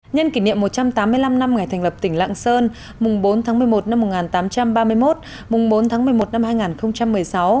nhân kỷ niệm một trăm tám mươi năm năm ngày thành lập tỉnh lạng sơn mùng bốn tháng một mươi một năm một nghìn tám trăm ba mươi một mùng bốn tháng một mươi một năm hai nghìn một mươi sáu